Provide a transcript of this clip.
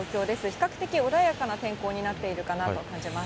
比較的穏やかな天候になっているかなと感じます。